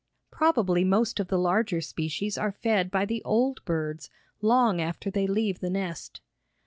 Probably most of the larger species are fed by the old birds long after they leave the nest.